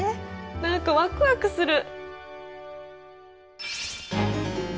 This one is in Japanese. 何かワクワクする！